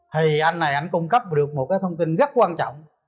thì anh này anh cung cấp được một cái thông tin rất quan trọng